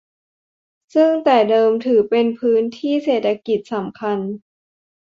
ซึ่งแต่เดิมถือเป็นพื้นที่เศรษฐกิจสำคัญ